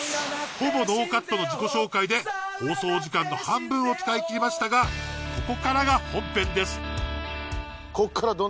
ほぼノーカットの自己紹介で放送時間の半分を使いきりましたがここからが本編です。